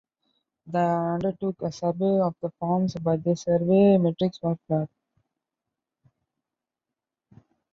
They undertook a survey of the farms, but their survey metrics were flawed.